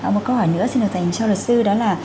một câu hỏi nữa xin được dành cho luật sư đó là